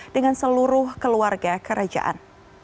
dengan seluruh keluarga kerajaan